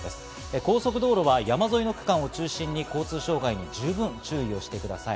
高速道路は山沿いの区間を中心に交通障害に十分に注意してください。